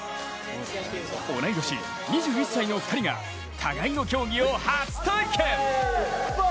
同い年、２１歳の二人が互いの競技を初体験。